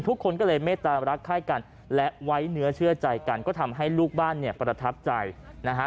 ทุกคนก็เลยเมตตารักไข้กันและไว้เนื้อเชื่อใจกันก็ทำให้ลูกบ้านเนี่ยประทับใจนะฮะ